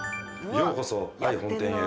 ようこそ愛本店へ。